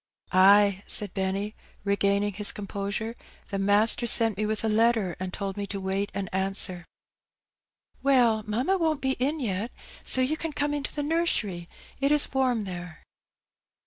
"Ay," said Benny, regaining his composnre; "the master sent me with a letter, an' told me to wait an answer." A Glimpse op Pabadise. 151 ''Well, mamma won't be in yet, so you can come into the nursery; it is warm there."